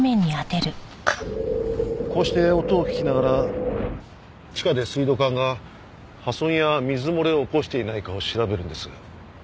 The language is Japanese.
こうして音を聞きながら地下で水道管が破損や水漏れを起こしていないかを調べるんです。